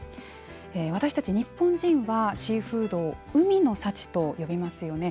私たち日本人はシーフードを海の幸と呼びますよね。